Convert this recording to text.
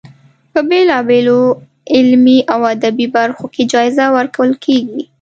په بېلا بېلو علمي او ادبي برخو کې جایزه ورکول کیږي.